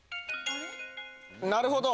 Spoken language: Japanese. なるほど！